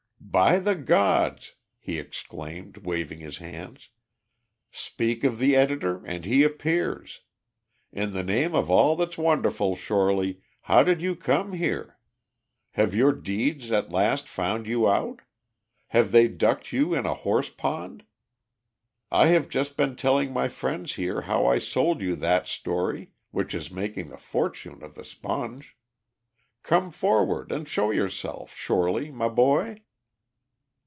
"By the gods!" he exclaimed, waving his hands. "Speak of the editor, and he appears. In the name of all that's wonderful, Shorely, how did you come here? Have your deeds at last found you out? Have they ducked you in a horse pond? I have just been telling my friends here how I sold you that story, which is making the fortune of the Sponge. Come forward, and show yourself, Shorely, my boy."